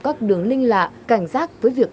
các đường linh lạ cảnh giác với việc